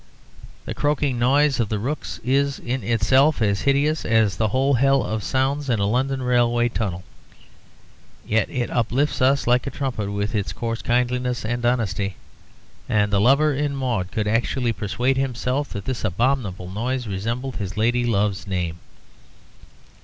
The croaking noise of the rooks is, in itself, as hideous as the whole hell of sounds in a London railway tunnel. Yet it uplifts us like a trumpet with its coarse kindliness and honesty, and the lover in 'Maud' could actually persuade himself that this abominable noise resembled his lady love's name.